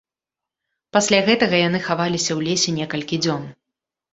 Пасля гэтага яны хаваліся ў лесе некалькі дзён.